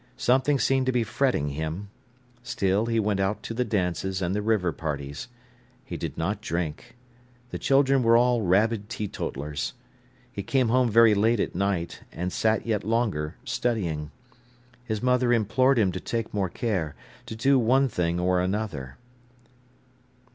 Something seemed to be fretting him. Still he went out to the dances and the river parties. He did not drink. The children were all rabid teetotallers. He came home very late at night, and sat yet longer studying. His mother implored him to take more care, to do one thing or another.